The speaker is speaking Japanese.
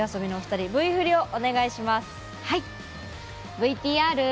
ＶＴＲ。